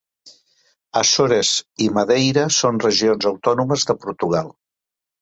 Açores i Madeira són regions autònomes de Portugal.